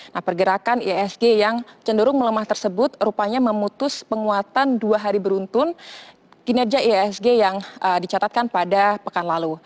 nah pergerakan ihsg yang cenderung melemah tersebut rupanya memutus penguatan dua hari beruntun kinerja ihsg yang dicatatkan pada pekan lalu